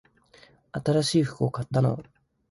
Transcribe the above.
新しい服を買ったの？